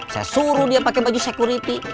saya suruh dia pakai baju security